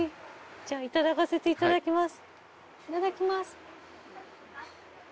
じゃあいただかせていただきます。